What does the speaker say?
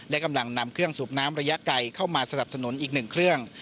และกำลังนำเครื่องสูบน้ำระยะไกลเข้ามาสนับสนุนอีกหนึ่งเครื่อง